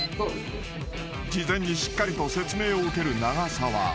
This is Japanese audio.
［事前にしっかりと説明を受ける長澤］